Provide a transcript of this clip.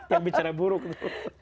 yang bicara buruk tuh